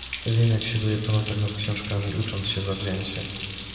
Wiem, jak siaduje po nocach nad książkami, ucząc się zawzięcie.